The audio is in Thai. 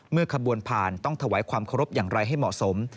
ขบวนผ่านต้องถวายความเคารพอย่างไรให้เหมาะสม